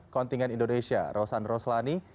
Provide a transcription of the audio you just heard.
kontingen indonesia rosan roslani